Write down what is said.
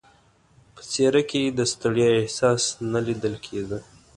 په څېره کې یې د ستړیا احساس نه لیدل کېده.